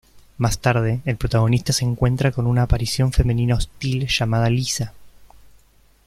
Más tarde, el protagonista se encuentra con una aparición femenina hostil llamada Lisa.